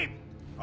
あ！